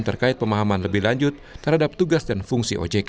terkait pemahaman lebih lanjut terhadap tugas dan fungsi ojk